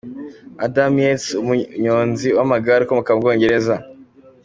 Adam Yates, umunyozi w’amagare ukomoka mu Bwongereza .